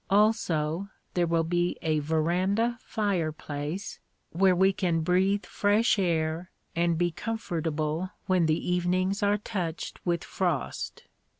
Also, there will be a veranda fireplace, where we can breathe fresh air and be comfortable when the evenings are touched with frost.